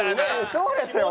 そうですよ。